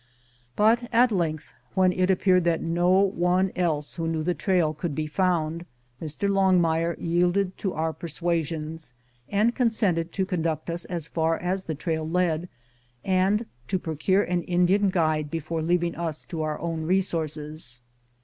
But at length, when it appeared that no one else who knew the trail could be found, Mr. Longmire yielded to our persuasions, and consented to conduct us as far as the trail led, and to procure an Indian guide before leav ing us to our own resources.